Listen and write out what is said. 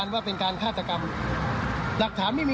ว่าเป็นการฆาตกรรม